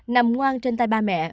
nằm ngoan trên tay ba mẹ